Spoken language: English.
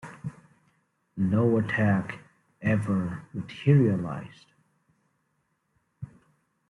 No attack ever materialized.